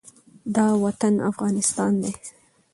دا وطن افغانستان دی،